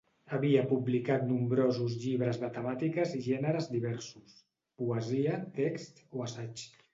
Havia publicat nombrosos llibres de temàtiques i gèneres diversos: poesia, text, o assaig.